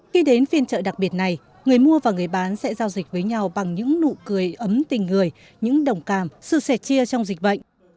khi đến phiên chợ đặc biệt này người mua và người bán sẽ giao dịch với nhau bằng những nụ cười ấm tình người những đồng cảm sự sẻ chia trong dịch bệnh